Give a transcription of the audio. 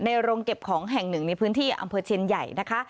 โรงเก็บของแห่งหนึ่งในพื้นที่อำเภอเชียนใหญ่นะคะ